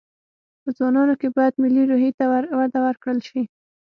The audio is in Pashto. په ځوانانو کې باید ملي روحي ته وده ورکړل شي